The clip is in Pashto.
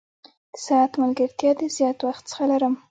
د ساعت ملګرتیا د زیات وخت څخه لرم.